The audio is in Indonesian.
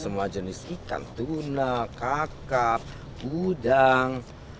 semua jenis ikan tuna kakap udang